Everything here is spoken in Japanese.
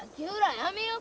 やめよう。